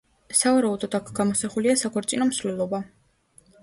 სავარაუდოდ აქ გამოსახულია საქორწინო მსვლელობა.